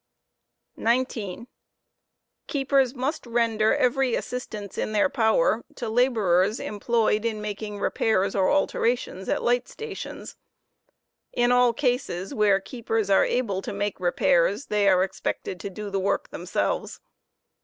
* Assistance to 19. Keepers must render every assistance in their power to laborers employed in taborera. ma king repairs or alterations at light stations. In all cases where keepers, are able to make repairs they are expected to do the work themselves.